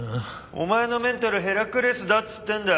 お前のメンタルヘラクレスだっつってんだ。